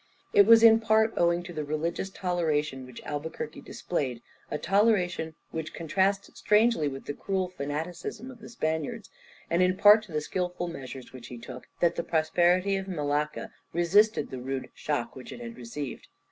It was in part owing to the religious toleration which Albuquerque displayed, a toleration which contrasts strangely with the cruel fanaticism of the Spaniards, and in part to the skilful measures which he took, that the prosperity of Malacca resisted the rude shock which it had received.